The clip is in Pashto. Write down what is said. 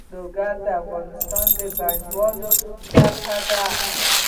لوگر د افغانستان د بڼوالۍ برخه ده.